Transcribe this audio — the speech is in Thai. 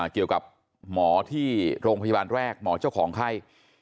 เกี่ยวกับหมอที่โรงพยาบาลแรกหมอเจ้าของไข้